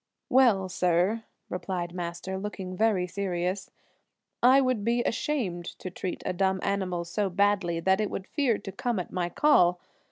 "Well, sir," replied Master, looking very serious, "I would be ashamed to treat a dumb animal so badly that it would fear to come at my call.